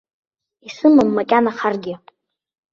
Исымам макьана харгьы.